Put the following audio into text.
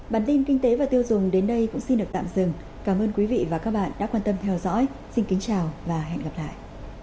bản tin kinh tế và tiêu dùng đến đây cũng xin được tạm dừng cảm ơn quý vị và các bạn đã quan tâm theo dõi xin kính chào và hẹn gặp lại